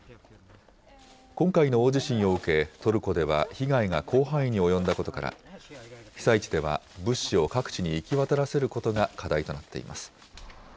今回の大地震を受け、トルコでは被害が広範囲に及んだことから、被災地では物資を各地に行き渡らせることが課題となっています。